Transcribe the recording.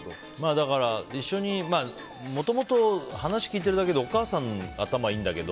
だから、一緒にもともと話を聞いてるだけでお母さん頭いいんだけど。